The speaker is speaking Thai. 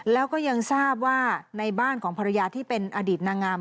แล้วก็ยังทราบว่าในบ้านของภรรยาที่เป็นอดีตนางงาม